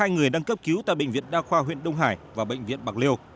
một mươi hai người đăng cấp cứu tại bệnh viện đa khoa huyện đông hải và bệnh viện bạc liêu